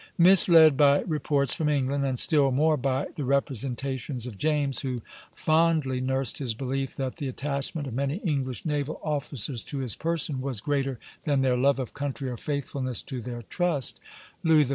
Misled by reports from England, and still more by the representations of James, who fondly nursed his belief that the attachment of many English naval officers to his person was greater than their love of country or faithfulness to their trust, Louis XIV.